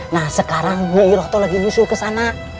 nah sekarang nyiroh tuh lagi nyusul kesana